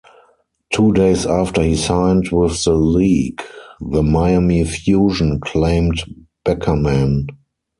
Two days after he signed with the league, the Miami Fusion claimed Beckerman.